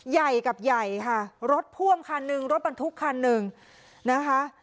ใหญ่กับใหญ่ค่ะรถพ่วงคันหนึ่งรถบรรทุกคันหนึ่งนะคะ